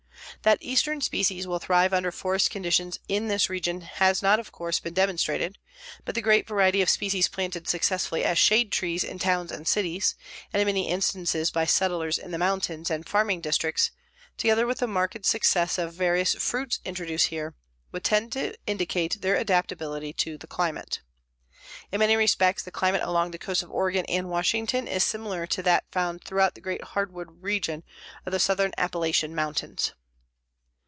That eastern species will thrive under forest conditions in this region has not, of course, been demonstrated, but the great variety of species planted successfully as shade trees in towns and cities, and in many instances by settlers in the mountains and farming districts, together with the marked success of various fruits introduced here, would tend to indicate their adaptability to the climate. In many respects the climate along the coast of Oregon and Washington is similar to that found throughout the great hardwood region of the Southern Appalachian mountains.